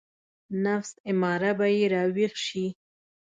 نفس اماره به يې راويښ شي.